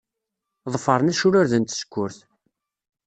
Ḍefṛen acrured n tsekkurt.